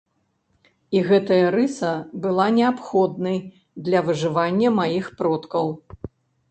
І гэтая рыса была неабходнай для выжывання маіх продкаў!